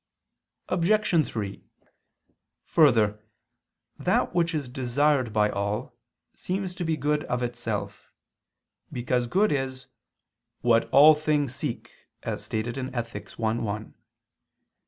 Obj. 3: Further, that which is desired by all, seems to be good of itself: because good is "what all things seek," as stated in Ethic. i, 1.